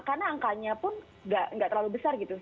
karena angkanya pun nggak terlalu besar gitu